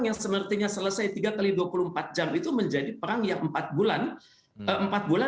yang sepertinya selesai tiga x dua puluh empat jam itu menjadi perang yang empat bulan